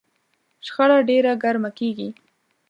شخړه ډېره ګرمه کېږي.